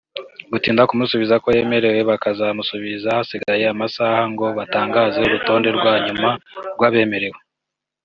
gutinda kumusubiza ko yemerewe bakazamusubiza hasigaye amasaha ngo batangaze urutonde rwanyuma rwabemerewe